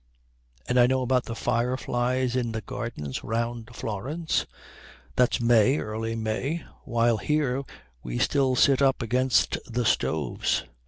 And I know about the fireflies in the gardens round Florence that's May, early May, while here we still sit up against the stoves.